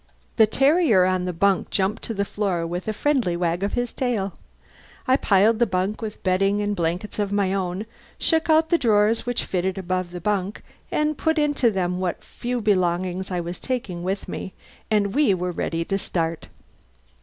The terrier on the bunk jumped to the floor with a friendly wag of the tail. I piled the bunk with bedding and blankets of my own, shook out the drawers which fitted above the bunk, and put into them what few belongings I was taking with me. And we were ready to start.